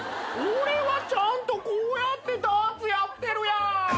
俺はちゃんとこうやってダーツやってるやん。